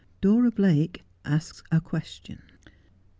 DORA BLAKE ASKS A QUESTION.